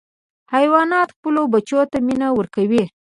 حیوانات خپلو بچیو ته مینه ورکوي.